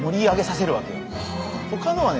ほかのはね